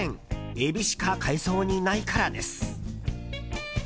エビしか買えそうにないからです。